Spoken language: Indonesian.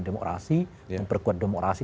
demokrasi memperkuat demokrasi